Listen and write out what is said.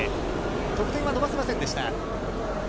得点は伸ばせませんでした。